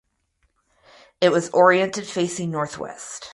It was orientated facing northwest.